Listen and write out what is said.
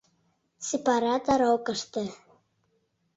Сепаратор ок ыште...